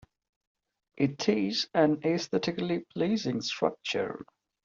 It is an aesthetically pleasing structure.